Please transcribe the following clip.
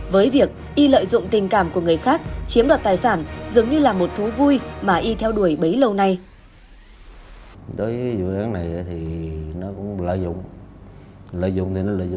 với việc y lợi dụng tình cảm của người khác chiếm đoạt tài sản dường như là một thú vui mà y theo đuổi bấy lâu nay